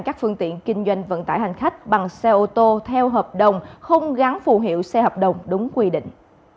các phương tiện kinh doanh vận tải hành khách bằng xe ô tô theo hợp đồng không gắn phù hiệu xe hợp đồng đúng quy định